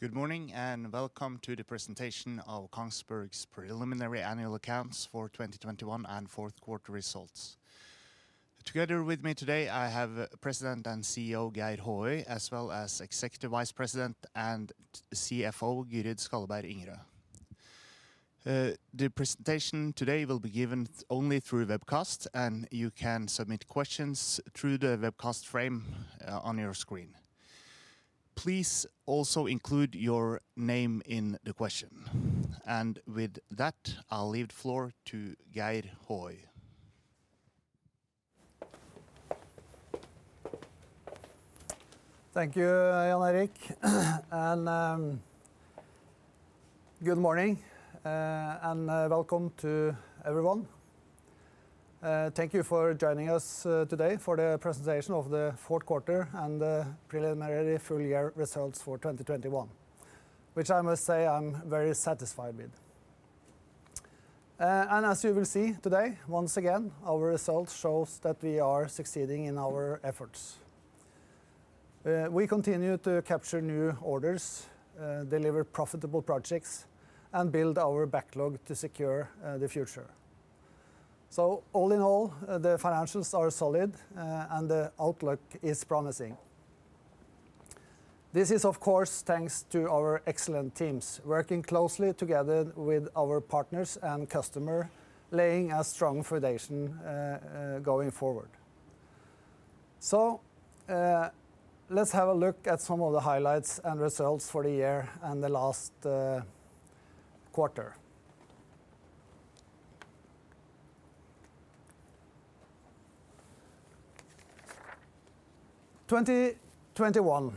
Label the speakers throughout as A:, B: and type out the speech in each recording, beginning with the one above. A: Good morning, and welcome to the presentation of KONGSBERG's preliminary annual accounts for 2021 and fourth quarter results. Together with me today, I have President and CEO Geir Håøy, as well as Executive Vice President and CFO Gyrid Skalleberg Ingerø. The presentation today will be given only through webcast, and you can submit questions through the webcast frame on your screen. Please also include your name in the question. With that, I'll leave the floor to Geir Håøy.
B: Thank you, Jan-Erik. Good morning and welcome to everyone. Thank you for joining us today for the presentation of the fourth quarter and the preliminary full year results for 2021, which I must say I'm very satisfied with. As you will see today, once again, our results shows that we are succeeding in our efforts. We continue to capture new orders, deliver profitable projects and build our backlog to secure the future. All in all, the financials are solid and the outlook is promising. This is of course thanks to our excellent teams working closely together with our partners and customer, laying a strong foundation going forward. Let's have a look at some of the highlights and results for the year and the last quarter. 2021,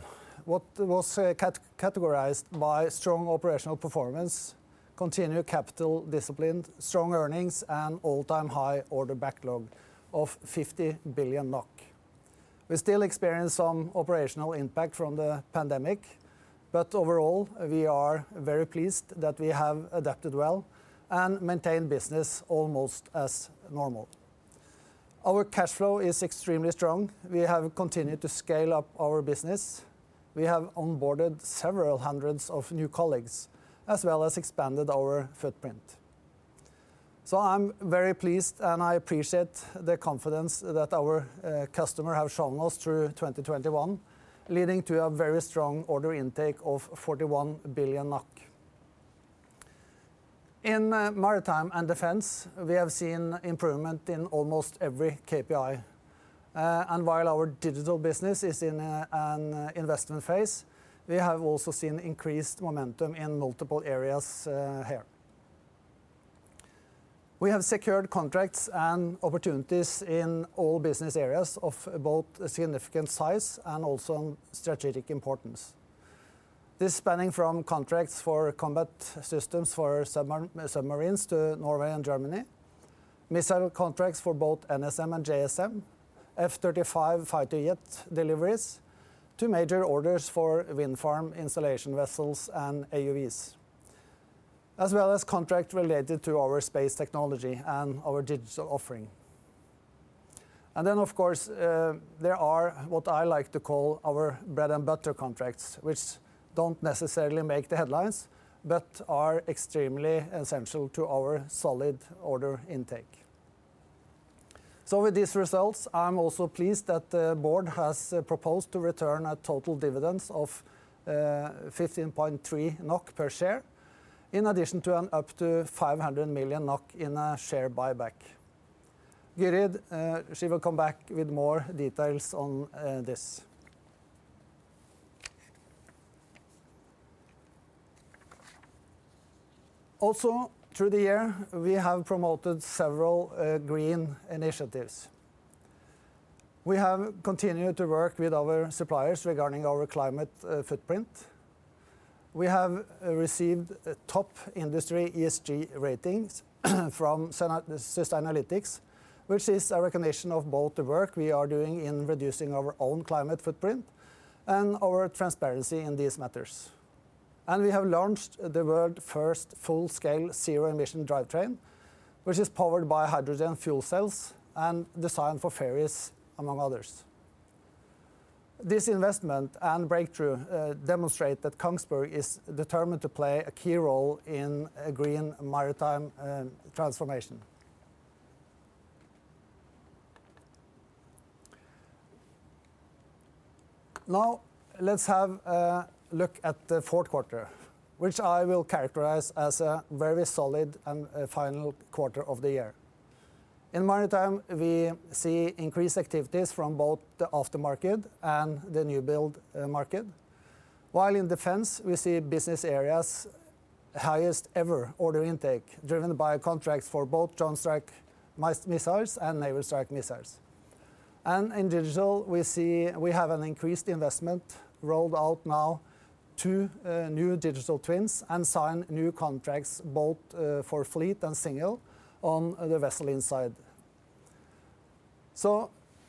B: what was categorized by strong operational performance, continued capital discipline, strong earnings and all-time high order backlog of 50 billion NOK. We still experience some operational impact from the pandemic, but overall, we are very pleased that we have adapted well and maintained business almost as normal. Our cash flow is extremely strong. We have continued to scale up our business. We have onboarded several hundreds of new colleagues as well as expanded our footprint. I'm very pleased, and I appreciate the confidence that our customer have shown us through 2021, leading to a very strong order intake of 41 billion NOK. In maritime and defence, we have seen improvement in almost every KPI. While our digital business is in an investment phase, we have also seen increased momentum in multiple areas here. We have secured contracts and opportunities in all business areas of both significant size and also strategic importance. This spanning from contracts for combat systems for submarines to Norway and Germany, missile contracts for both NSM and JSM, F-35 fighter jet deliveries to major orders for wind farm installation vessels and AUVs, as well as contract related to our space technology and our digital offering. There are what I like to call our bread and butter contracts, which don't necessarily make the headlines but are extremely essential to our solid order intake. With these results, I'm also pleased that the board has proposed to return a total dividends of 15.3 NOK per share, in addition to an up to 500 million NOK in a share buyback. Guri, she will come back with more details on this. Also, through the year, we have promoted several green initiatives. We have continued to work with our suppliers regarding our climate footprint. We have received a top industry ESG ratings from Sustainalytics, which is a recognition of both the work we are doing in reducing our own climate footprint and our transparency in these matters. We have launched the world first full scale zero-emission drivetrain, which is powered by hydrogen fuel cells and designed for ferries, among others. This investment and breakthrough demonstrate that KONGSBERG is determined to play a key role in a green maritime transformation. Now let's have a look at the fourth quarter, which I will characterize as a very solid and a final quarter of the year. In maritime, we see increased activities from both the after market and the new build market. While in defence we see business areas highest ever order intake driven by contracts for both Joint Strike Missiles and Naval Strike Missiles. In digital, we see we have an increased investment rolled out now two new digital twins and signed new contracts both for fleet and single on the Vessel Insight.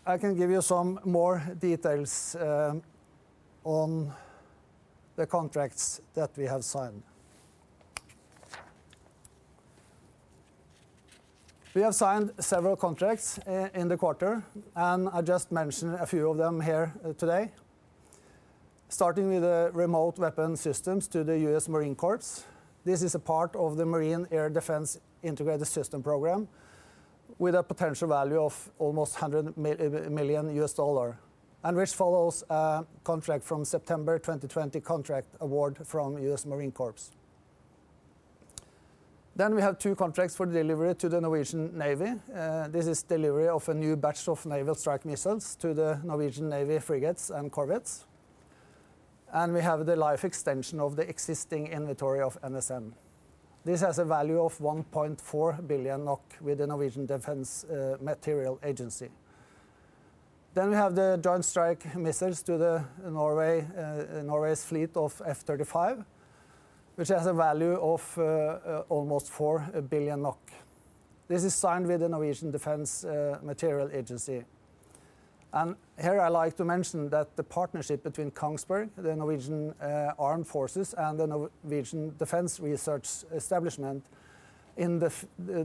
B: I can give you some more details on the contracts that we have signed. We have signed several contracts in the quarter, and I just mention a few of them here today. Starting with the remote weapon systems to the U.S. Marine Corps. This is a part of the Marine Air Defence Integrated System program with a potential value of almost $100 million, and which follows a contract from September 2020 contract award from U.S. Marine Corps. We have two contracts for delivery to the Norwegian Navy. This is delivery of a new batch of Naval Strike Missiles to the Norwegian Navy frigates and corvettes. We have the life extension of the existing inventory of NSM. This has a value of 1.4 billion NOK with the Norwegian Defence Materiel Agency. We have the Joint Strike Missiles to Norway's fleet of F-35, which has a value of almost 4 billion NOK. This is signed with the Norwegian Defence Materiel Agency. Here I like to mention that the partnership between KONGSBERG, the Norwegian Armed Forces, and the Norwegian Defence Research Establishment in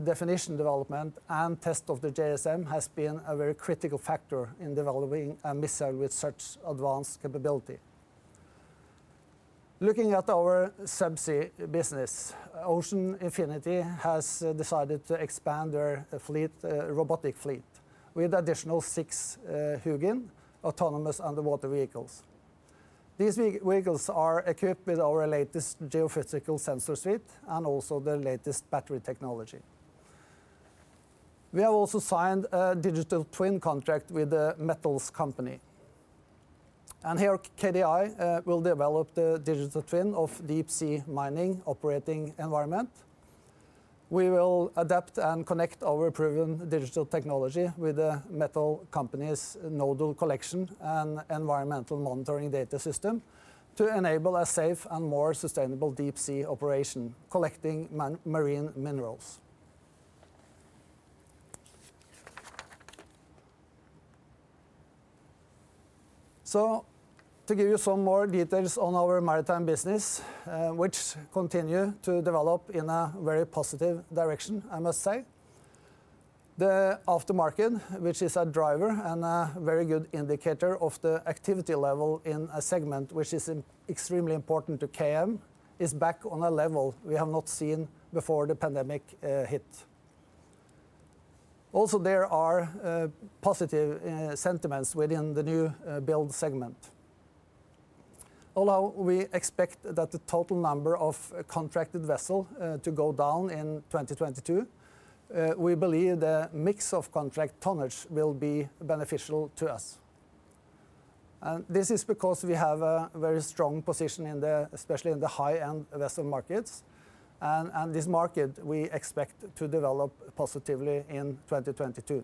B: definition development and test of the JSM has been a very critical factor in developing a missile with such advanced capability. Looking at our subsea business, Ocean Infinity has decided to expand their fleet, robotic fleet, with additional six HUGIN autonomous underwater vehicles. These vehicles are equipped with our latest geophysical sensor suite and also the latest battery technology. We have also signed a digital twin contract with The Metals Company. Here KDI will develop the digital twin of deep sea mining operating environment. We will adapt and connect our proven digital technology with The Metals Company's nodal collection and environmental monitoring data system to enable a safe and more sustainable deep sea operation, collecting marine minerals. To give you some more details on our maritime business, which continue to develop in a very positive direction, I must say. The aftermarket, which is a driver and a very good indicator of the activity level in a segment which is extremely important to KM, is back on a level we have not seen before the pandemic hit. Also, there are positive sentiments within the new build segment. Although we expect that the total number of contracted vessel to go down in 2022, we believe the mix of contract tonnage will be beneficial to us. This is because we have a very strong position in the especially in the high-end vessel markets, and this market we expect to develop positively in 2022.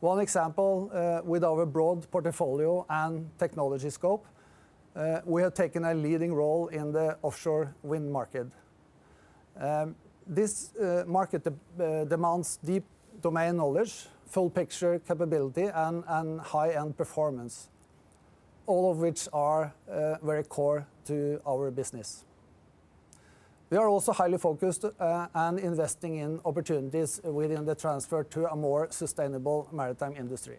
B: One example with our broad portfolio and technology scope, we have taken a leading role in the offshore wind market. This market demands deep domain knowledge, full picture capability, and high-end performance, all of which are very core to our business. We are also highly focused and investing in opportunities within the transfer to a more sustainable maritime industry.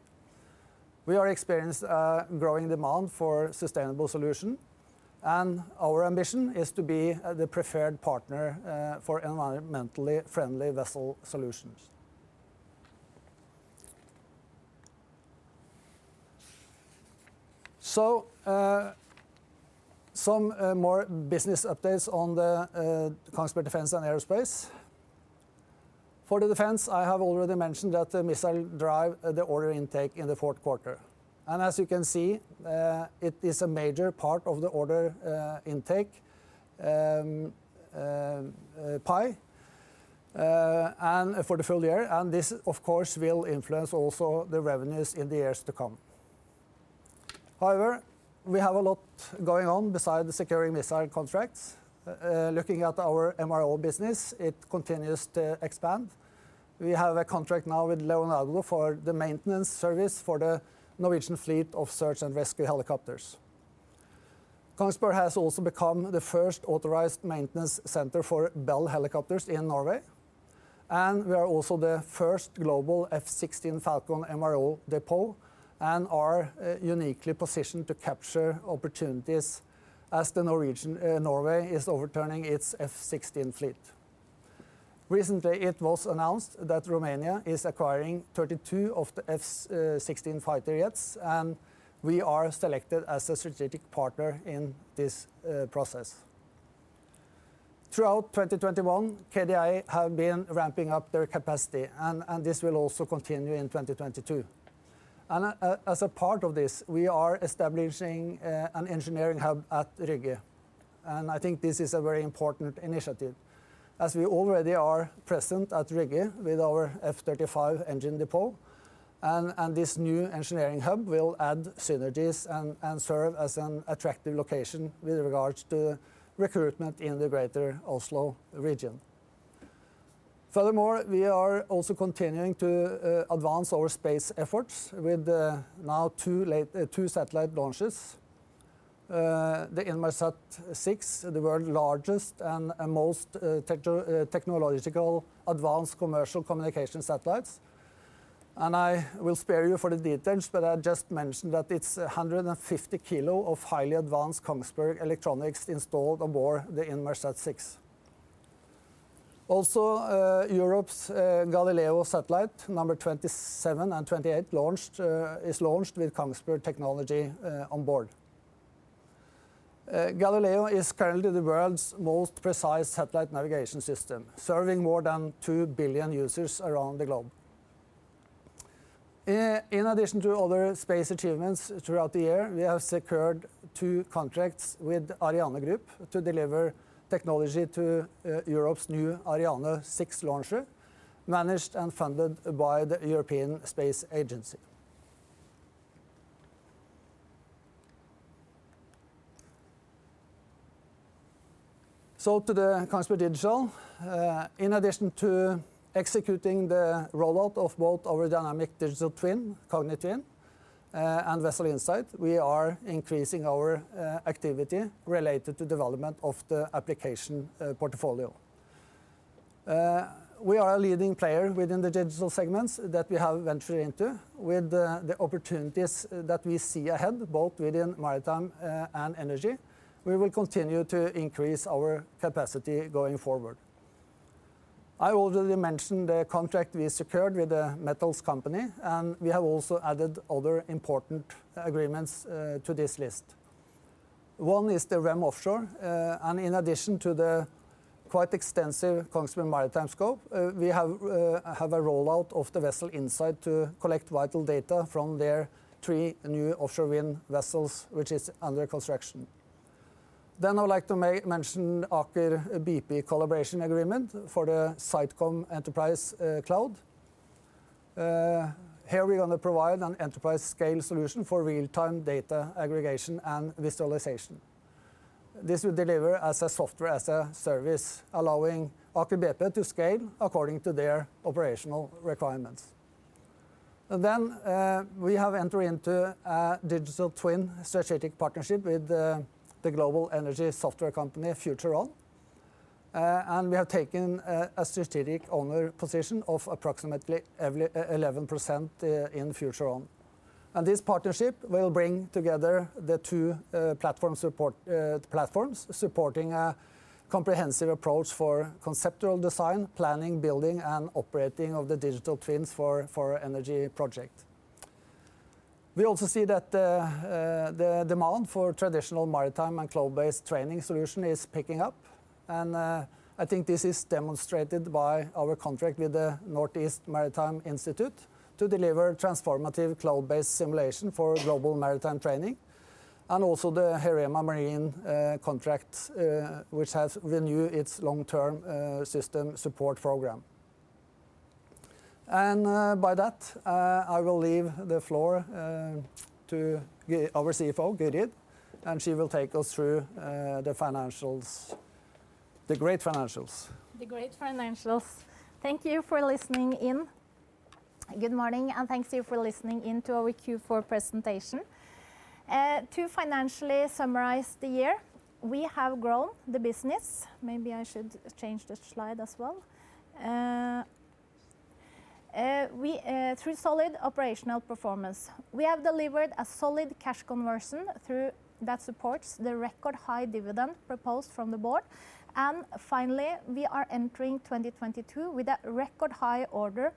B: We are experiencing growing demand for sustainable solutions, and our ambition is to be the preferred partner for environmentally friendly vessel solutions. Some more business updates on Kongsberg Defence & Aerospace. For Defence, I have already mentioned that the missiles drive the order intake in the fourth quarter. As you can see, it is a major part of the order intake pie. For the full year, this of course will influence also the revenues in the years to come. However, we have a lot going on besides securing missile contracts. Looking at our MRO business, it continues to expand. We have a contract now with Leonardo for the maintenance service for the Norwegian fleet of search and rescue helicopters. KONGSBERG has also become the first authorized maintenance center for Bell Helicopters in Norway, and we are also the first global F-16 Falcon MRO depot and are uniquely positioned to capture opportunities as Norway is overturning its F-16 fleet. Recently, it was announced that Romania is acquiring 32 of the F-16 fighter jets, and we are selected as a strategic partner in this process. Throughout 2021, KDI have been ramping up their capacity and this will also continue in 2022. As a part of this, we are establishing an engineering hub at Rygge, and I think this is a very important initiative, as we already are present at Rygge with our F-35 engine depot and this new engineering hub will add synergies and serve as an attractive location with regards to recruitment in the greater Oslo region. Furthermore, we are also continuing to advance our space efforts with now two satellite launches. The Inmarsat-6, the world's largest and most technologically advanced commercial communication satellites. I will spare you the details, but I just mention that it's 150 kg of highly advanced KONGSBERG electronics installed aboard the Inmarsat-6. Also, Europe's Galileo satellites, numbers 27 and 28, launched with KONGSBERG technology on board. Galileo is currently the world's most precise satellite navigation system, serving more than 2 billion users around the globe. In addition to other space achievements throughout the year, we have secured two contracts with ArianeGroup to deliver technology to Europe's new Ariane 6 launcher, managed and funded by the European Space Agency. To the Kongsberg Digital, in addition to executing the rollout of both our dynamic digital twin, Kognitwin, and Vessel Insight, we are increasing our activity related to development of the application portfolio. We are a leading player within the digital segments that we have ventured into. With the opportunities that we see ahead, both within maritime and energy, we will continue to increase our capacity going forward. I already mentioned the contract we secured with The Metals Company, and we have also added other important agreements to this list. One is the Rem Offshore, and in addition to the quite extensive Kongsberg Maritime scope, we have a rollout of the Vessel Insight to collect vital data from their three new offshore wind vessels, which is under construction. I would like to mention Aker BP collaboration agreement for the SiteCom Enterprise Cloud. Here we're gonna provide an enterprise-scale solution for real-time data aggregation and visualization. This will deliver as a software as a service, allowing Aker BP to scale according to their operational requirements. We have entered into a Digital Twin strategic partnership with the global energy software company FutureOn. We have taken a strategic owner position of approximately 11% in FutureOn. This partnership will bring together the two platform support platforms, supporting a comprehensive approach for conceptual design, planning, building, and operating of the digital twins for energy project. We also see that the demand for traditional maritime and cloud-based training solution is picking up. I think this is demonstrated by our contract with the Northeast Maritime Institute to deliver transformative cloud-based simulation for global maritime training, and also the Heerema Marine contract, which has renewed its long-term system support program. By that, I will leave the floor to Gyrid, our CFO, and she will take us through the financials. The great financials.
C: Thank you for listening in. Good morning, and thanks to you for listening in to our Q4 presentation. To financially summarize the year, we have grown the business. Maybe I should change the slide as well. Through solid operational performance, we have delivered a solid cash conversion that supports the record high dividend proposed from the board. Finally, we are entering 2022 with a record high order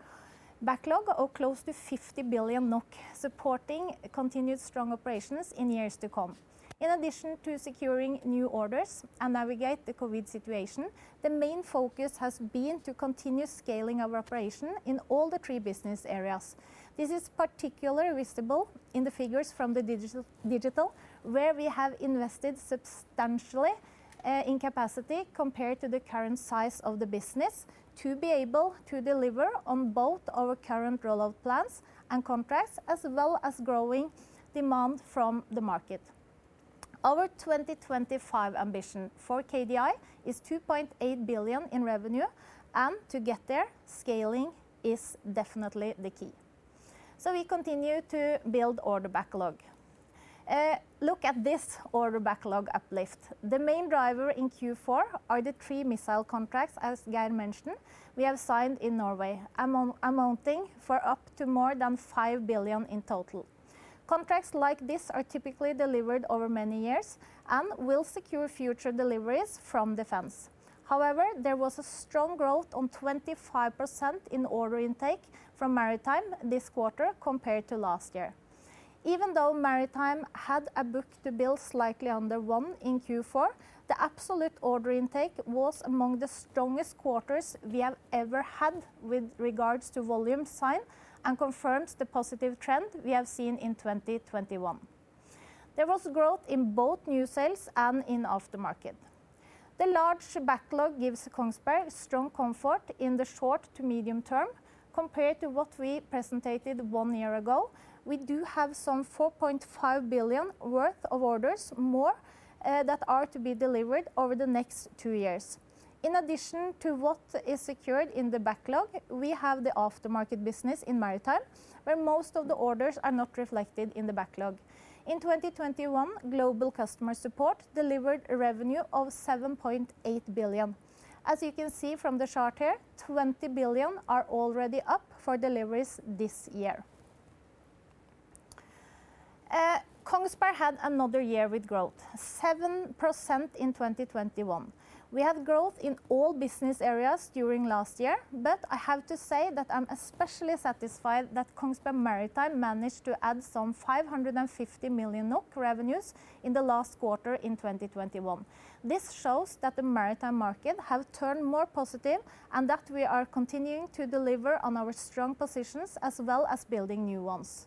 C: backlog of close to 50 billion NOK, supporting continued strong operations in years to come. In addition to securing new orders and navigating the COVID situation, the main focus has been to continue scaling our operation in all three business areas. This is particularly visible in the figures from the digital, where we have invested substantially in capacity compared to the current size of the business to be able to deliver on both our current rollout plans and contracts, as well as growing demand from the market. Our 2025 ambition for KDI is 2.8 billion in revenue, and to get there, scaling is definitely the key. We continue to build order backlog. Look at this order backlog uplift. The main driver in Q4 are the three missile contracts, as Geir mentioned, we have signed in Norway, amounting to up to more than 5 billion in total. Contracts like this are typically delivered over many years and will secure future deliveries from Defence. However, there was a strong growth of 25% in order intake from Maritime this quarter compared to last year. Even though Maritime had a book-to-bill slightly under one in Q4, the absolute order intake was among the strongest quarters we have ever had with regards to volume signed, and confirms the positive trend we have seen in 2021. There was growth in both new sales and in aftermarket. The large backlog gives KONGSBERG strong comfort in the short to medium term compared to what we presented one year ago. We do have some 4.5 billion worth of orders more, that are to be delivered over the next two years. In addition to what is secured in the backlog, we have the aftermarket business in Maritime, where most of the orders are not reflected in the backlog. In 2021, global customer support delivered revenue of 7.8 billion. As you can see from the chart here, 20 billion are already up for deliveries this year. KONGSBERG had another year with growth, 7% in 2021. We have growth in all business areas during last year, but I have to say that I'm especially satisfied that Kongsberg Maritime managed to add some 550 million NOK revenues in the last quarter in 2021. This shows that the maritime market have turned more positive and that we are continuing to deliver on our strong positions as well as building new ones.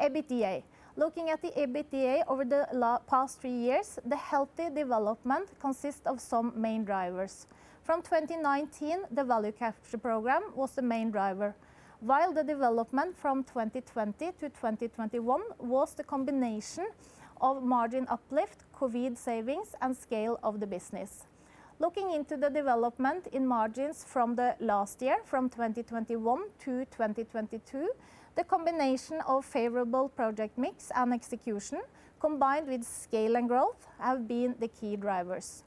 C: EBITDA. Looking at the EBITDA over the past three years, the healthy development consists of some main drivers. From 2019, the Value Capture program was the main driver, while the development from 2020 to 2021 was the combination of margin uplift, COVID savings, and scale of the business. Looking into the development in margins from the last year, from 2021 to 2022, the combination of favorable project mix and execution combined with scale and growth have been the key drivers.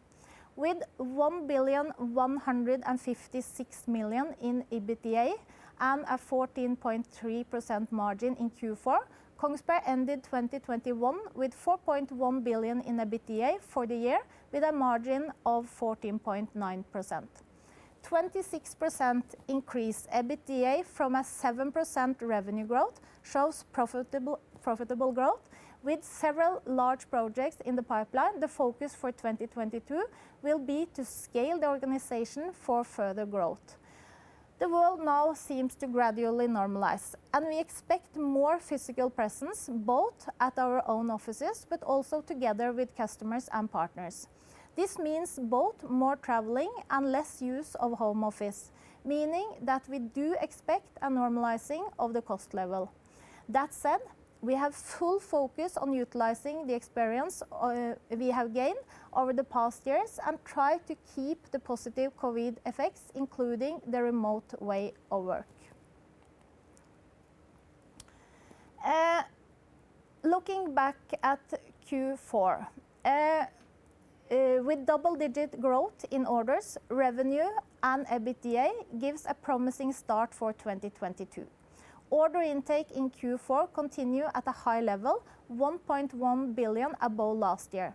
C: With 1.156 billion in EBITDA and a 14.3% margin in Q4, KONGSBERG ended 2021 with 4.1 billion in EBITDA for the year with a margin of 14.9%. 26% increased EBITDA from a 7% revenue growth shows profitable growth. With several large projects in the pipeline, the focus for 2022 will be to scale the organization for further growth. The world now seems to gradually normalize, and we expect more physical presence both at our own offices but also together with customers and partners. This means both more traveling and less use of home office, meaning that we do expect a normalizing of the cost level. That said, we have full focus on utilizing the experience we have gained over the past years and try to keep the positive COVID effects, including the remote way of work. Looking back at Q4 with double-digit growth in orders, revenue, and EBITDA gives a promising start for 2022. Order intake in Q4 continue at a high level, 1.1 billion above last year.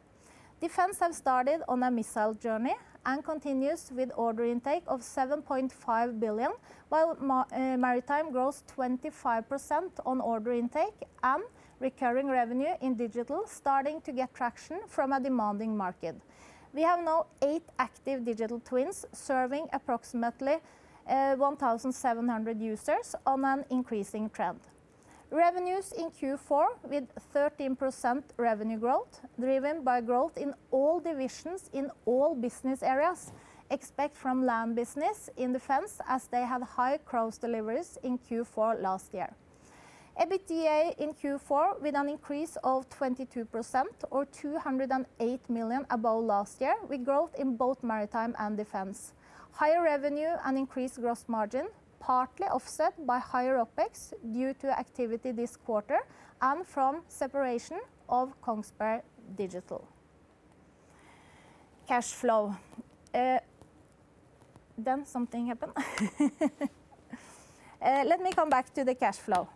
C: Defence have started on a missile journey and continues with order intake of 7.5 billion, while maritime grows 25% on order intake and recurring revenue in digital starting to get traction from a demanding market. We have now eight active digital twins serving approximately 1,700 users on an increasing trend. Revenue in Q4 with 13% revenue growth, driven by growth in all divisions in all business areas, except from land business in defence, as they had high cruise deliveries in Q4 last year. EBITDA in Q4 with an increase of 22% or 208 million above last year with growth in both maritime and defence. Higher revenue and increased gross margin partly offset by higher OpEx due to activity this quarter and from separation of Kongsberg Digital. Cash flow. Something happened. Let me come back to the cash flow.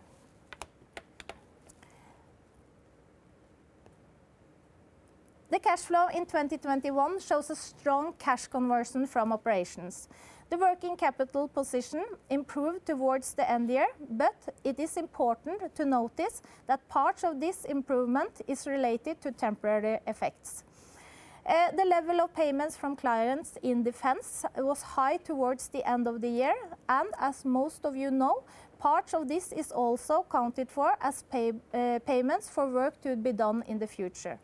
C: The cash flow in 2021 shows a strong cash conversion from operations. The working capital position improved towards the end of the year, but it is important to notice that part of this improvement is related to temporary effects. The level of payments from clients in defence was high towards the end of the year and as most of you know, part of this is also accounted for as payments for work to be done in the future.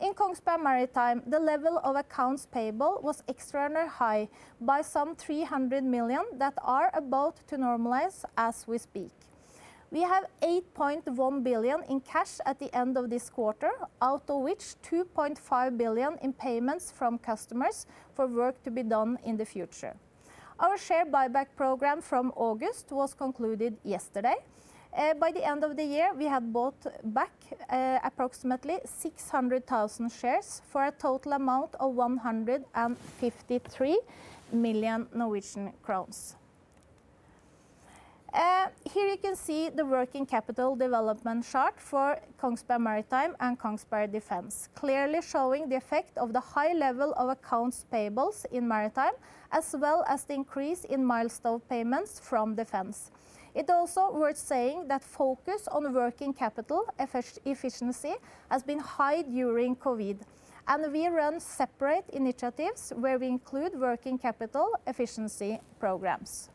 C: In Kongsberg Maritime, the level of accounts payable was extremely high by some 300 million that are about to normalize as we speak. We have 8.1 billion in cash at the end of this quarter, out of which 2.5 billion in payments from customers for work to be done in the future. Our share buyback program from August was concluded yesterday. By the end of the year, we had bought back approximately 600,000 shares for a total amount of 153 million Norwegian crowns. Here you can see the working capital development chart for Kongsberg Maritime and Kongsberg Defence, clearly showing the effect of the high level of accounts payables in maritime as well as the increase in milestone payments from defence. It also worth saying that focus on working capital efficiency has been high during COVID, and we run separate initiatives where we include working capital efficiency programs.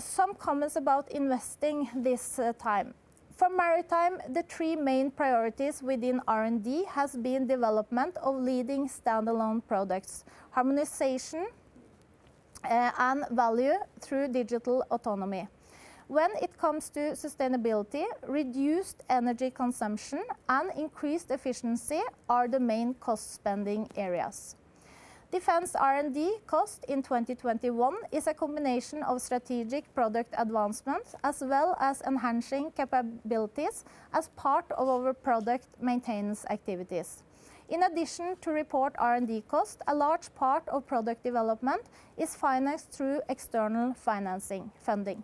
C: Some comments about investments this time. For maritime, the three main priorities within R&D has been development of leading standalone products, harmonization, and value through digital autonomy. When it comes to sustainability, reduced energy consumption and increased efficiency are the main cost-spending areas. Defence R&D cost in 2021 is a combination of strategic product advancements as well as enhancing capabilities as part of our product maintenance activities. In addition to reported R&D cost, a large part of product development is financed through external funding.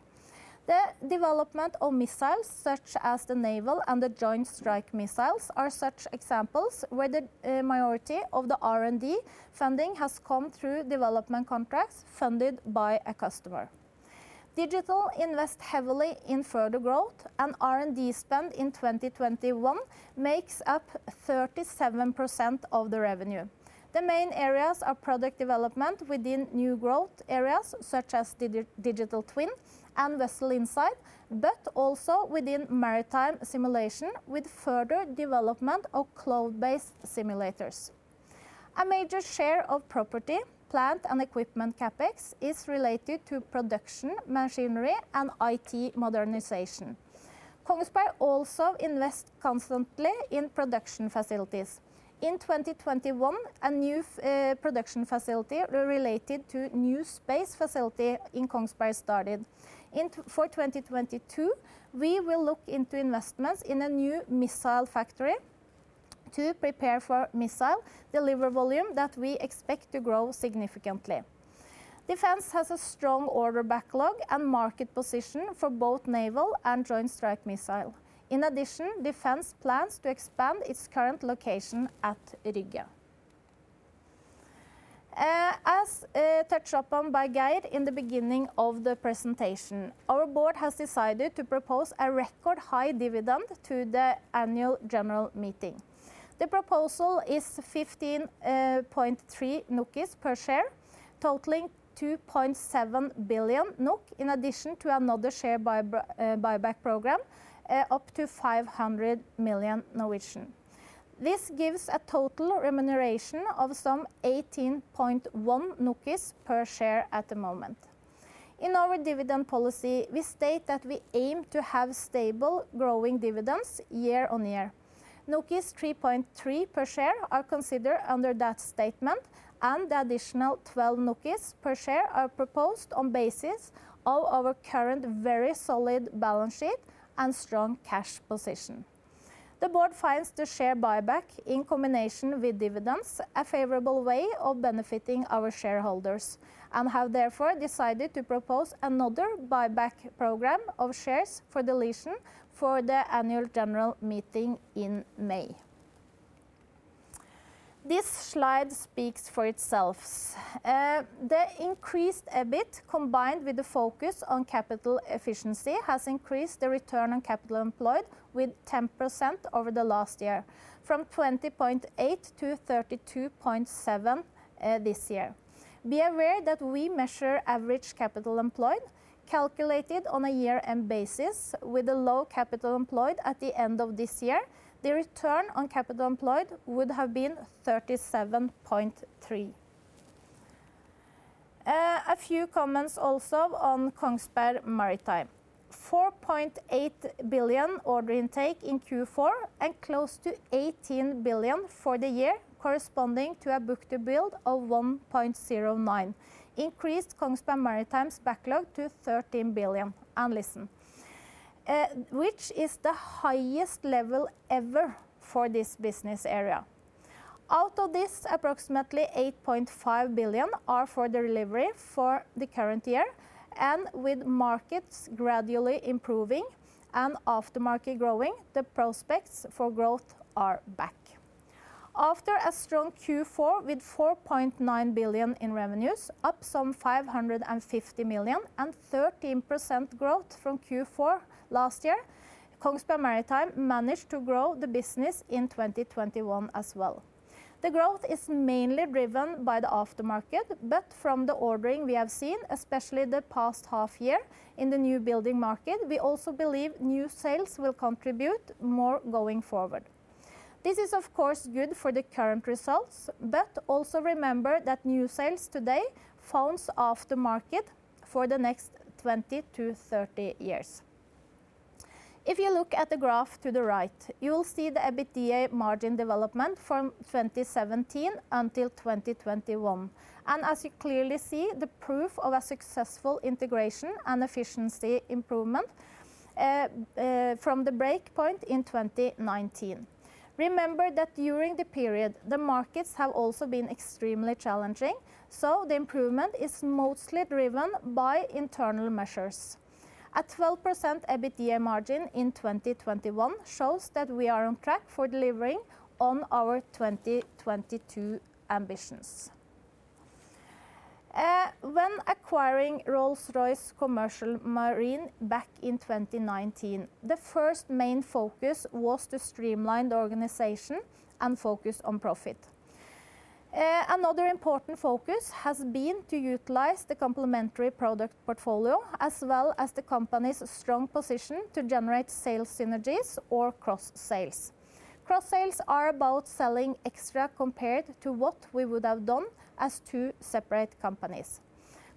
C: The development of missiles such as the Naval Strike and the Joint Strike Missiles are such examples where the majority of the R&D funding has come through development contracts funded by a customer. Kongsberg Digital invests heavily in further growth and R&D spend in 2021 makes up 37% of the revenue. The main areas are product development within new growth areas such as digital twin and Vessel Insight, but also within maritime simulation with further development of cloud-based simulators. A major share of property, plant and equipment CapEx is related to production machinery and IT modernization. KONGSBERG also invests constantly in production facilities. In 2021, a new production facility related to new space facility in KONGSBERG started. For 2022, we will look into investments in a new missile factory to prepare for missile delivery volume that we expect to grow significantly. Defence has a strong order backlog and market position for both Naval Strike Missile and Joint Strike Missile. In addition, defence plans to expand its current location at Rygge. As touched upon by Geir in the beginning of the presentation, our board has decided to propose a record high dividend to the Annual General Meeting. The proposal is 15.3 per share, totaling 2.7 billion NOK in addition to another share buyback program up to 500 million. This gives a total remuneration of some 18.1 per share at the moment. In our dividend policy, we state that we aim to have stable growing dividends year-on-year. 3.3 per share are considered under that statement, and the additional 12 per share are proposed on basis of our current very solid balance sheet and strong cash position. The board finds the share buyback in combination with dividends a favorable way of benefiting our shareholders and have therefore decided to propose another buyback program of shares for deletion for the annual general meeting in May. This slide speaks for itself. The increased EBIT combined with the focus on capital efficiency has increased the return on capital employed with 10% over the last year from 20.8% to 32.7% this year. Be aware that we measure average capital employed, calculated on a year-end basis with a low capital employed at the end of this year. The return on capital employed would have been 37.3%. A few comments also on Kongsberg Maritime. 4.8 billion order intake in Q4 and close to 18 billion for the year corresponding to a book-to-bill of 1.09 increased Kongsberg Maritime's backlog to 13 billion, which is the highest level ever for this business area. Out of this, approximately 8.5 billion are for the delivery for the current year, and with markets gradually improving and aftermarket growing, the prospects for growth are back. After a strong Q4 with 4.9 billion in revenues, up some 550 million and 13% growth from Q4 last year, Kongsberg Maritime managed to grow the business in 2021 as well. The growth is mainly driven by the aftermarket, but from the ordering we have seen, especially the past half year in the new building market, we also believe new sales will contribute more going forward. This is of course good for the current results, but also remember that new sales today falls off the market for the next 20-30 years. If you look at the graph to the right, you will see the EBITDA margin development from 2017 until 2021. As you clearly see, the proof of a successful integration and efficiency improvement from the break point in 2019. Remember that during the period, the markets have also been extremely challenging, so the improvement is mostly driven by internal measures. A 12% EBITDA margin in 2021 shows that we are on track for delivering on our 2022 ambitions. When acquiring Rolls-Royce Commercial Marine back in 2019, the first main focus was to streamline the organization and focus on profit. Another important focus has been to utilize the complementary product portfolio as well as the company's strong position to generate sales synergies or cross-sales. Cross-sales are about selling extra compared to what we would have done as two separate companies.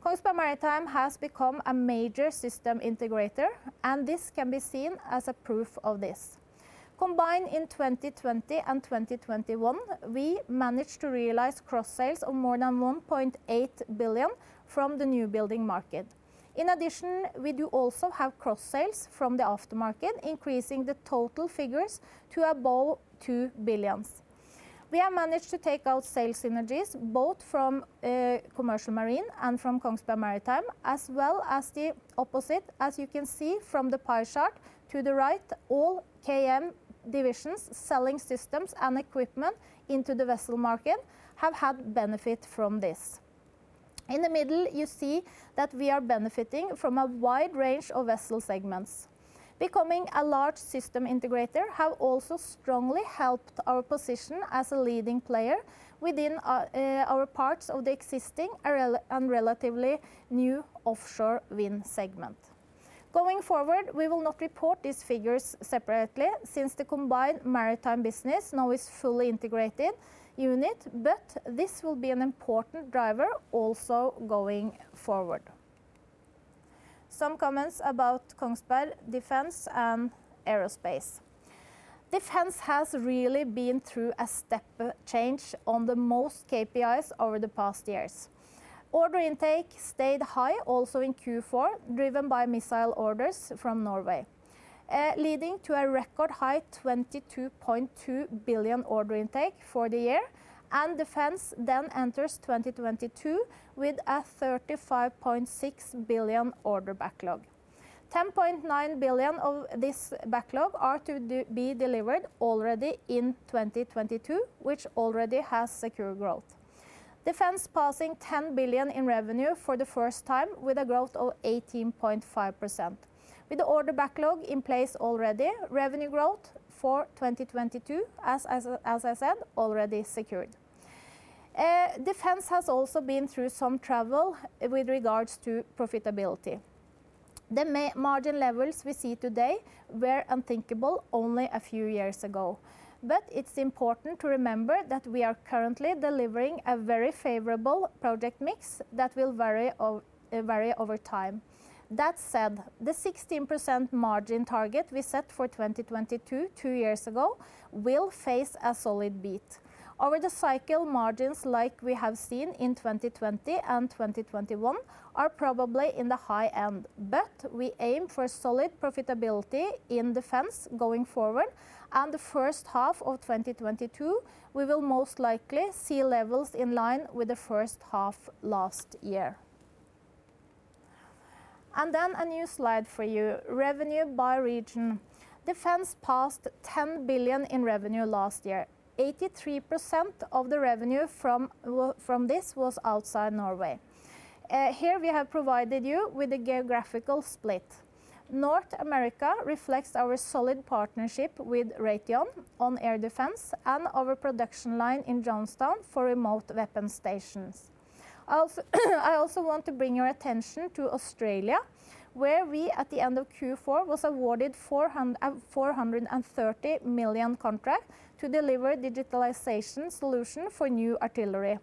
C: Kongsberg Maritime has become a major system integrator, and this can be seen as a proof of this. Combined in 2020 and 2021, we managed to realize cross-sales of more than 1.8 billion from the new building market. In addition, we do also have cross-sales from the aftermarket, increasing the total figures to above 2 billion. We have managed to take out sales synergies both from Commercial Marine and from Kongsberg Maritime, as well as the opposite, as you can see from the pie chart to the right, all KM divisions selling systems and equipment into the vessel market have had benefit from this. In the middle, you see that we are benefiting from a wide range of vessel segments. Becoming a large system integrator have also strongly helped our position as a leading player within our parts of the existing and relatively new offshore wind segment. Going forward, we will not report these figures separately since the combined maritime business now is fully integrated unit, but this will be an important driver also going forward. Some comments about Kongsberg Defence & Aerospace. Defence has really been through a step change on the most KPIs over the past years. Order intake stayed high also in Q4, driven by missile orders from Norway, leading to a record high 22.2 billion order intake for the year and defence then enters 2022 with a 35.6 billion order backlog. 10.9 billion of this backlog are to be delivered already in 2022, which already has secure growth. Defence passing 10 billion in revenue for the first time with a growth of 18.5%. With the order backlog in place already, revenue growth for 2022, as I said, already secured. Defence has also been through some trouble with regards to profitability. The margin levels we see today were unthinkable only a few years ago. It's important to remember that we are currently delivering a very favorable project mix that will vary over time. That said, the 16% margin target we set for 2022 two years ago will face a solid beat. Over the cycle margins like we have seen in 2020 and 2021 are probably in the high end, but we aim for solid profitability in Defence going forward and the H1 of 2022, we will most likely see levels in line with the H1 last year. Then a new slide for you. Revenue by region. Defence passed 10 billion in revenue last year. 83% of the revenue from this was outside Norway. Here we have provided you with a geographical split. North America reflects our solid partnership with Raytheon on air defence and our production line in Johnstown for remote weapon stations. Also, I want to bring your attention to Australia, where we, at the end of Q4, was awarded 430 million contract to deliver digitalization solution for new artillery.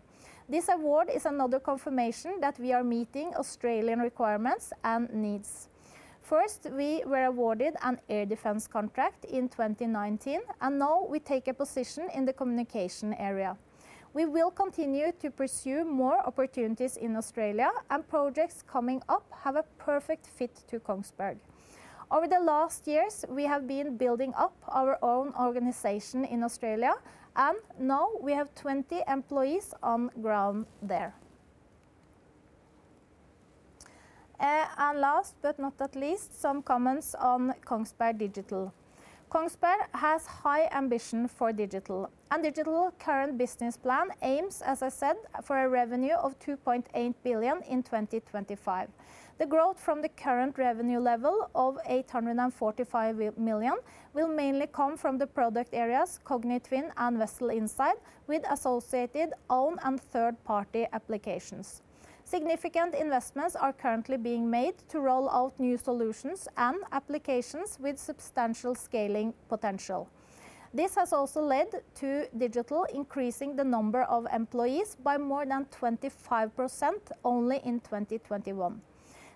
C: This award is another confirmation that we are meeting Australian requirements and needs. First, we were awarded an air defence contract in 2019, and now we take a position in the communication area. We will continue to pursue more opportunities in Australia and projects coming up have a perfect fit to KONGSBERG. Over the last years, we have been building up our own organization in Australia, and now we have 20 employees on ground there. And last but not least, some comments on Kongsberg Digital. KONGSBERG has high ambition for digital, and digital's current business plan aims, as I said, for a revenue of 2.8 billion in 2025. The growth from the current revenue level of 845 million will mainly come from the product areas Kognitwin and Vessel Insight with associated own and third-party applications. Significant investments are currently being made to roll out new solutions and applications with substantial scaling potential. This has also led to Digital increasing the number of employees by more than 25% only in 2021.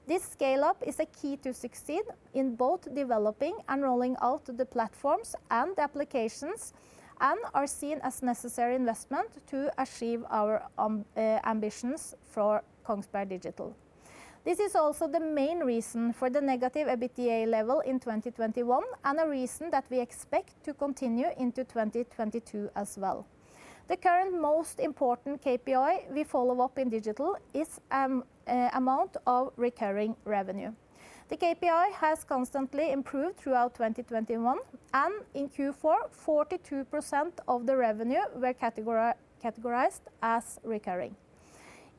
C: This scale-up is a key to succeed in both developing and rolling out the platforms and applications and are seen as necessary investment to achieve our ambitions for Kongsberg Digital. This is also the main reason for the negative EBITDA level in 2021 and a reason that we expect to continue into 2022 as well. The current most important KPI we follow up in digital is amount of recurring revenue. The KPI has constantly improved throughout 2021, and in Q4, 42% of the revenue were categorized as recurring.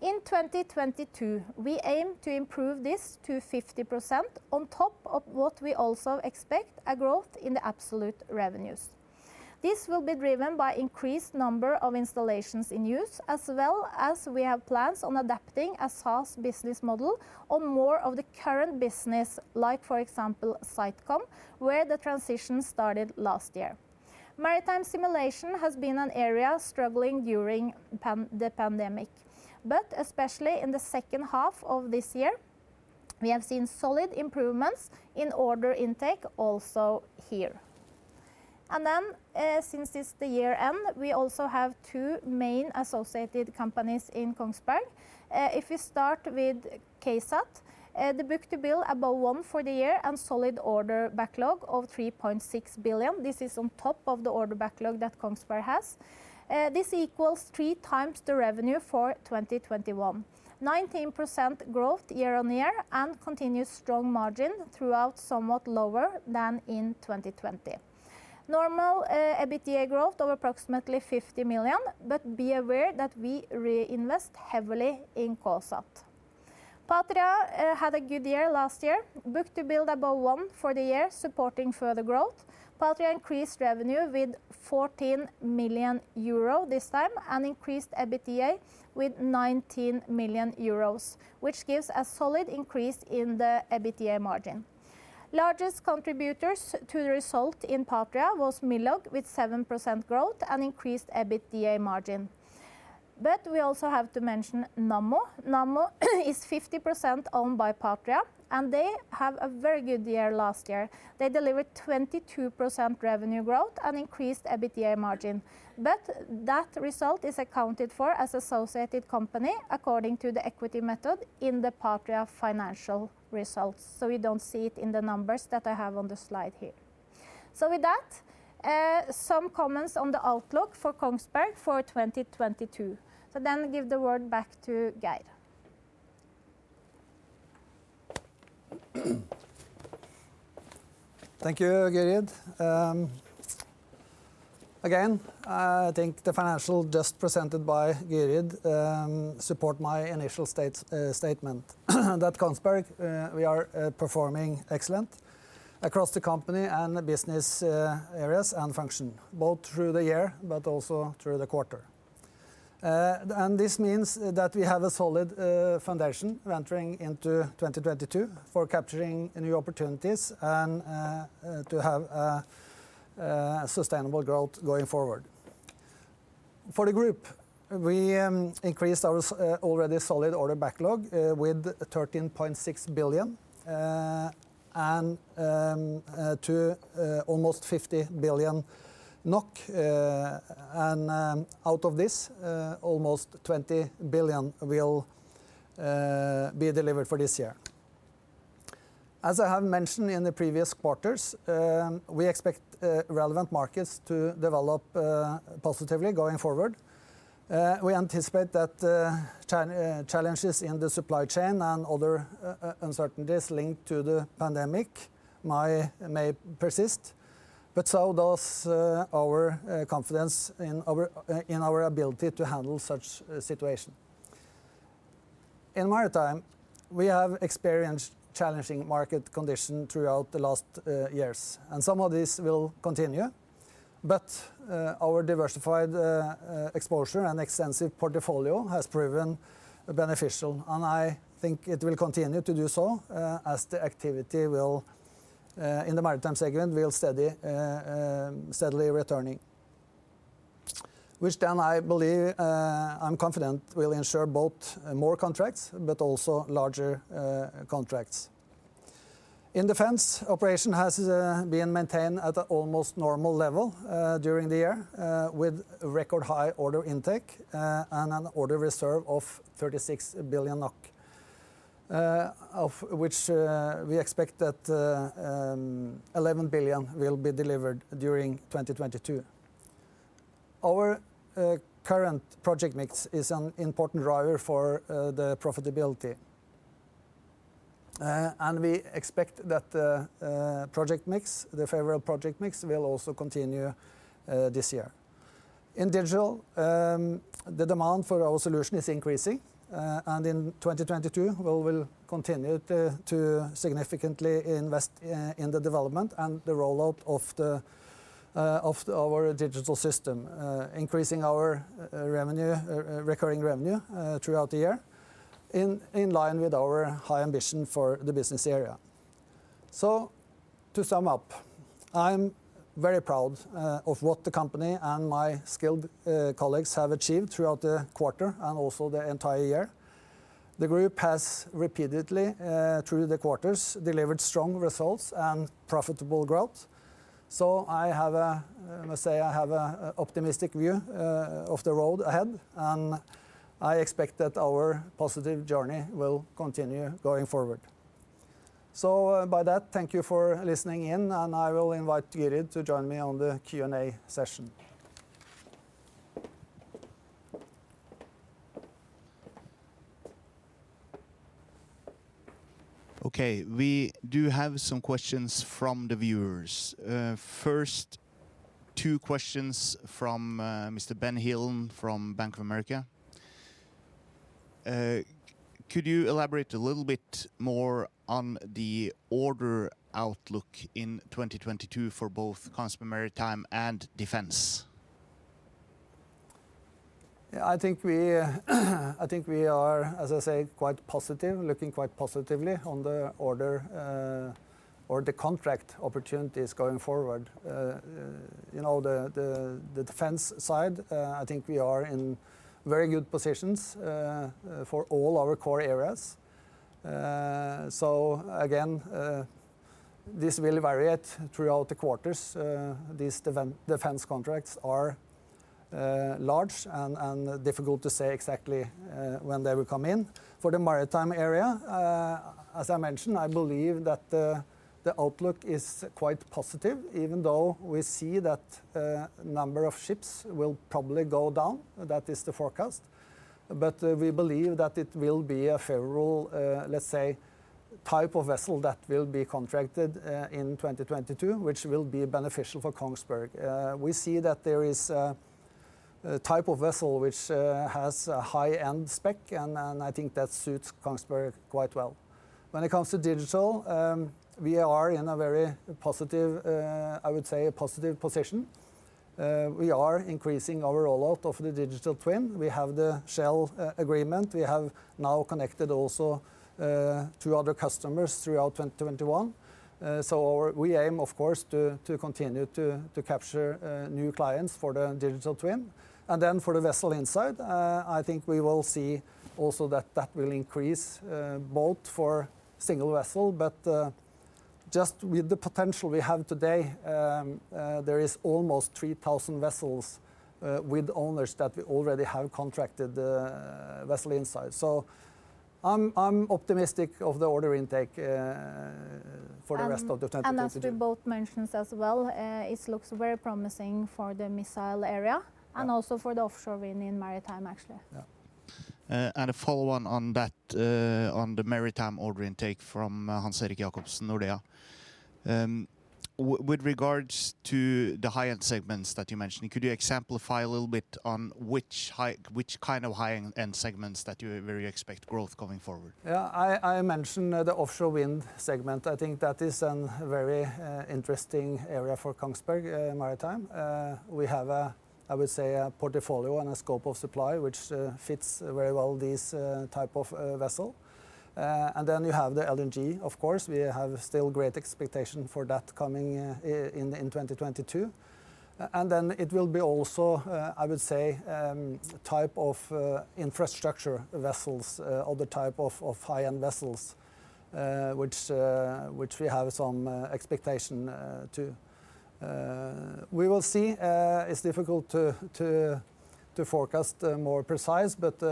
C: In 2022, we aim to improve this to 50% on top of what we also expect a growth in the absolute revenues. This will be driven by increased number of installations in use, as well as we have plans on adapting a SaaS business model or more of the current business, like for example, SiteCom, where the transition started last year. Maritime simulation has been an area struggling during the pandemic. Especially in the H2 of this year, we have seen solid improvements in order intake also here. Since it's the year end, we also have two main associated companies in KONGSBERG. If you start with KSAT, the book-to-bill above one for the year and solid order backlog of 3.6 billion. This is on top of the order backlog that KONGSBERG has. This equals three times the revenue for 2021. 19% growth year-over-year and continuous strong margin throughout somewhat lower than in 2020. Normal EBITDA growth of approximately 50 million, but be aware that we reinvest heavily in KSAT. Patria had a good year last year. Book-to-bill above one for the year supporting further growth. Patria increased revenue with 14 million euro this time and increased EBITDA with 19 million euros, which gives a solid increase in the EBITDA margin. Largest contributors to the result in Patria was Millog with 7% growth and increased EBITDA margin. We also have to mention Nammo. Nammo is 50% owned by Patria, and they have a very good year last year. They delivered 22% revenue growth and increased EBITDA margin. That result is accounted for as associated company according to the equity method in the Patria financial results. We don't see it in the numbers that I have on the slide here. With that, some comments on the outlook for KONGSBERG for 2022. Give the word back to Geir.
B: Thank you, Gyrid. Again, I think the financials just presented by Gyrid support my initial statement that KONGSBERG we are performing excellent across the company and the business areas and function, both through the year but also through the quarter. This means that we have a solid foundation entering into 2022 for capturing new opportunities and to have a sustainable growth going forward. For the group, we increased our already solid order backlog with 13.6 billion and to almost 50 billion NOK, and out of this, almost 20 billion will be delivered for this year. As I have mentioned in the previous quarters, we expect relevant markets to develop positively going forward. We anticipate that the challenges in the supply chain and other uncertainties linked to the pandemic may persist, but so does our confidence in our ability to handle such a situation. In Maritime, we have experienced challenging market conditions throughout the last years, and some of this will continue. Our diversified exposure and extensive portfolio has proven beneficial, and I think it will continue to do so, as the activity in the maritime segment will steadily return. Which I believe I'm confident will ensure both more contracts but also larger contracts. In defence, operation has been maintained at almost a normal level during the year with record high order intake and an order reserve of 36 billion NOK, of which we expect that 11 billion will be delivered during 2022. Our current project mix is an important driver for the profitability. We expect that the project mix, the favorable project mix, will also continue this year. In digital, the demand for our solution is increasing. In 2022, we will continue to significantly invest in the development and the rollout of our digital system, increasing our revenue, recurring revenue, throughout the year in line with our high ambition for the business area. To sum up, I'm very proud of what the company and my skilled colleagues have achieved throughout the quarter and also the entire year. The group has repeatedly through the quarters delivered strong results and profitable growth. I must say I have a optimistic view of the road ahead, and I expect that our positive journey will continue going forward. By that, thank you for listening in, and I will invite Gyrid to join me on the Q&A session.
A: Okay, we do have some questions from the viewers. First two questions from Mr. Ben Hill from Bank of America. Could you elaborate a little bit more on the order outlook in 2022 for both Kongsberg Maritime and Defence?
B: Yeah, I think we are, as I say, quite positive, looking quite positively on the order or the contract opportunities going forward. You know, the defence side, I think we are in very good positions for all our core areas. So again, this will vary throughout the quarters. These defence contracts are large and difficult to say exactly when they will come in. For the maritime area, as I mentioned, I believe that the outlook is quite positive even though we see that number of ships will probably go down. That is the forecast. We believe that it will be a favorable, let's say type of vessel that will be contracted in 2022, which will be beneficial for KONGSBERG. We see that there is a type of vessel which has a high-end spec and I think that suits KONGSBERG quite well. When it comes to digital, we are in a very positive position. We are increasing our rollout of the Digital Twin. We have the Shell agreement. We have now connected also two other customers throughout 2021. We aim, of course, to continue to capture new clients for the Digital Twin. Then for the Vessel Insight, I think we will see also that will increase both for single vessel, but just with the potential we have today, there is almost 3,000 vessels with owners that we already have contracted the Vessel Insight. I'm optimistic of the order intake for the rest of 2022.
C: As we both mentioned as well, it looks very promising for the missile area.
B: Yeah.
C: Also for the offshore wind in maritime, actually.
B: Yeah.
A: A follow-on on that, on the maritime order intake from Hans-Erik Jacobsen, Nordea. With regards to the high-end segments that you mentioned, could you exemplify a little bit on which kind of high-end segments where you expect growth going forward?
B: Yeah, I mentioned the offshore wind segment. I think that is a very interesting area for Kongsberg Maritime. We have, I would say, a portfolio and a scope of supply which fits very well these type of vessel. You have the LNG, of course. We have still great expectation for that coming in 2022. It will be also, I would say, type of infrastructure vessels or the type of high-end vessels which we have some expectation too. We will see. It's difficult to forecast more precisely, but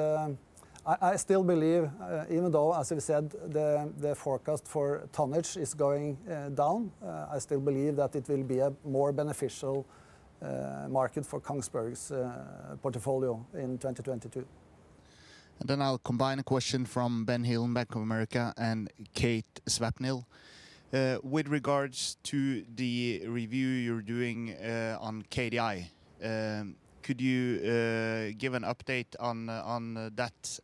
B: I still believe, even though as we said the forecast for tonnage is going down, I still believe that it will be a more beneficial market for KONGSBERG's portfolio in 2022.
A: Then I'll combine a question from Ben Hill, Bank of America, and Kate Swapnil. With regards to the review you're doing on KDI, could you give an update on that?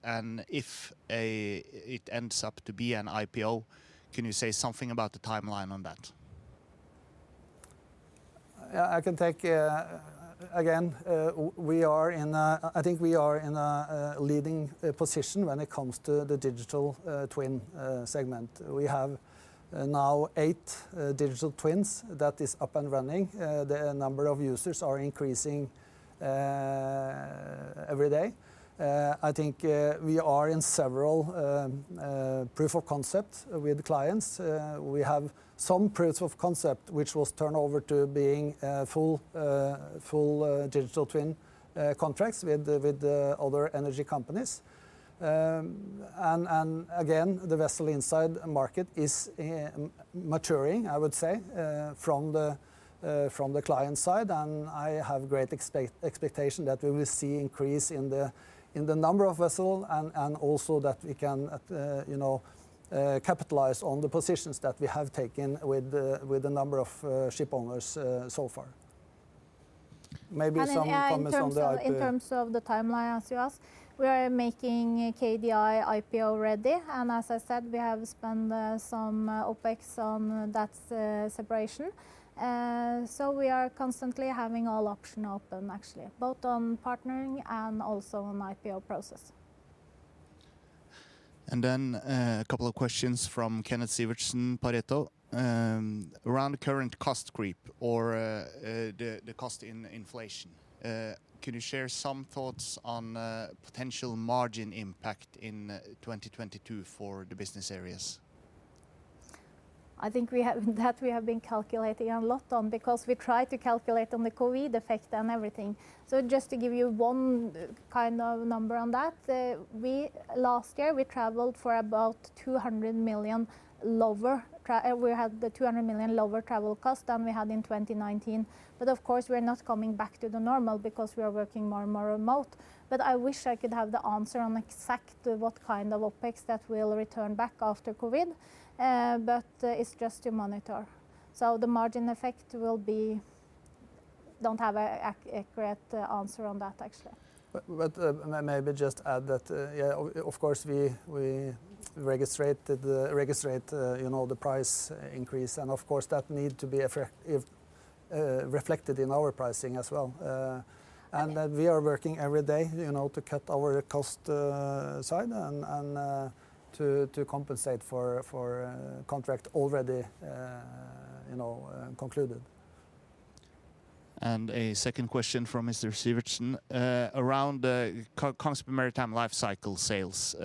A: If it ends up to be an IPO, can you say something about the timeline on that?
B: Yeah, I can take. Again, we are in a leading position when it comes to the Digital Twin segment. We have now eight Digital Twins that is up and running. The number of users are increasing every day. I think we are in several proof of concept with clients. We have some proofs of concept which was turned over to being full Digital Twin contracts with the other energy companies. Again, the Vessel Insight market is maturing, I would say, from the client side, and I have great expectation that we will see increase in the number of vessel and also that we can, you know, capitalize on the positions that we have taken with the number of ship owners so far. Maybe some comments on the IP.
C: In terms of the timeline, as you ask, we are making KDI IPO-ready. As I said, we have spent some OPEX on that separation. We are constantly having all options open actually, both on partnering and also on IPO process.
A: A couple of questions from Kenneth Sivertsen, Pareto, around the current cost creep or the cost and inflation. Can you share some thoughts on potential margin impact in 2022 for the business areas?
C: I think we have been calculating a lot on because we try to calculate on the COVID effect and everything. Just to give you one kind of number on that, we had the 200 million lower travel cost than we had in 2019. Of course, we're not coming back to normal because we are working more and more remote. I wish I could have the answer on exactly what kind of OPEX that will return back after COVID. It's just to monitor. The margin effect will be. I don't have an accurate answer on that, actually.
B: Maybe just add that, yeah, of course, we registered the price increase, and of course, that need to be reflected in our pricing as well.
C: Okay.
B: That we are working every day, you know, to cut our cost side and to compensate for contract already, you know, concluded.
A: A second question from Mr. Sivertsen. Around Kongsberg Maritime lifecycle sales,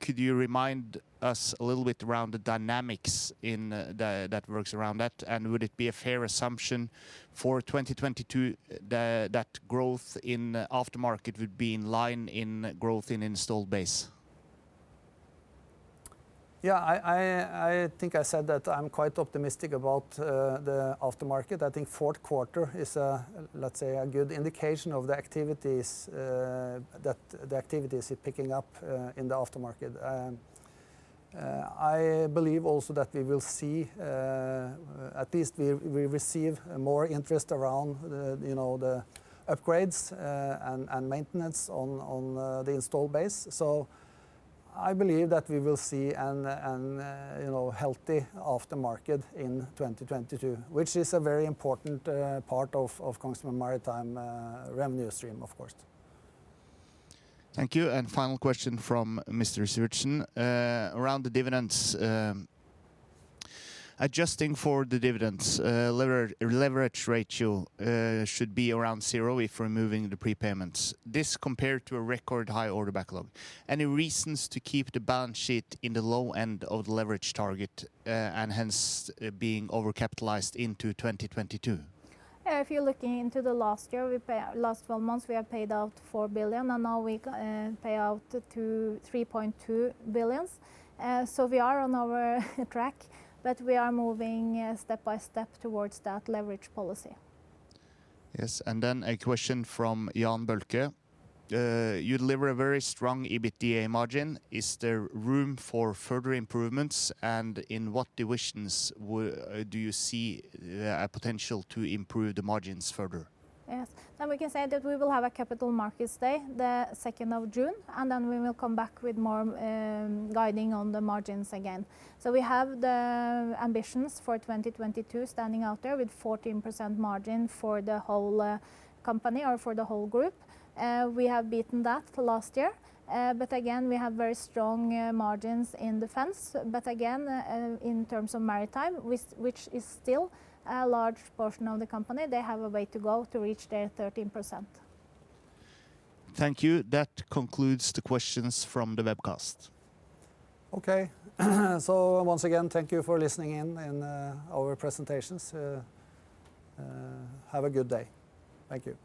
A: could you remind us a little bit around the dynamics in that that works around that? Would it be a fair assumption for 2022 that growth in aftermarket would be in line with growth in installed base?
B: Yeah. I think I said that I'm quite optimistic about the aftermarket. I think fourth quarter is, let's say, a good indication of the activities that are picking up in the aftermarket. I believe also that we will see at least we receive more interest around the, you know, the upgrades and maintenance on the installed base. I believe that we will see a, you know, healthy aftermarket in 2022, which is a very important part of Kongsberg Maritime revenue stream, of course.
A: Thank you. Final question from Mr. Sivertsen. Around the dividends, adjusting for the dividends, leverage ratio should be around zero if removing the prepayments, this compared to a record high order backlog. Any reasons to keep the balance sheet in the low end of the leverage target, and hence, being overcapitalized into 2022?
C: Yeah. If you're looking into the last year, last 12 months, we have paid out 4 billion, and now we pay out to 3.2 billion. We are on track, but we are moving step-by-step towards that leverage policy.
A: Yes. Then a question from Jan Erik Bølke. You deliver a very strong EBITDA margin. Is there room for further improvements, and in what divisions do you see the potential to improve the margins further?
C: Yes. We can say that we will have a Capital Markets Day of June 2nd, and we will come back with more guiding on the margins again. We have the ambitions for 2022 standing out there with 14% margin for the whole company or for the whole group. We have beaten that last year. Again, we have very strong margins in Defence, but again, in terms of Maritime, which is still a large portion of the company, they have a way to go to reach their 13%.
A: Thank you. That concludes the questions from the webcast.
B: Okay. Once again, thank you for listening in our presentations. Have a good day. Thank you.